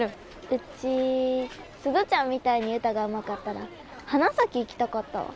ウチ鈴ちゃんみたいに歌がうまかったら花咲行きたかったわ。